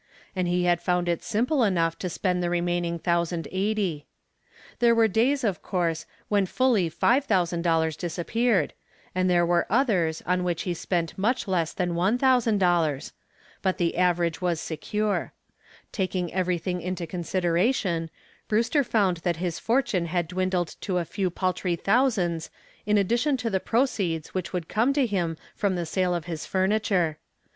And he had found it simple enough to spend the remaining $1,080. There were days, of course, when fully $5,000 disappeared, and there were others on which he spent much less than $1,000, but the average was secure. Taking everything into consideration, Brewster found that his fortune had dwindled to a few paltry thousands in addition to the proceeds which would come to him from the sale of his furniture.